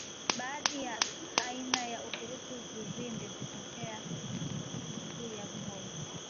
Baadhi ya aina ya ukurutu vivimbe hutokea juu ya ngozi